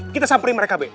kita samperin mereka be